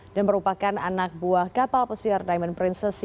dan merupakan anak buah kapal pesiar diamond princess